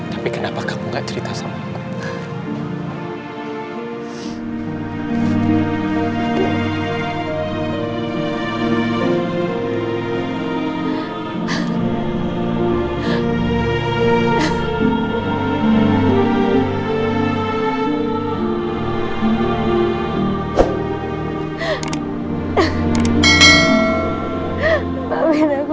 tapi kenapa kamu gak cerita sama aku